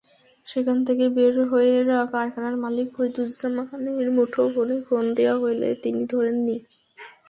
সেখান থেকে বের হয়ে কারখানার মালিক ফরিদুজ্জামানের মুঠোফোনে ফোন দেওয়া হলে তিনি ধরেননি।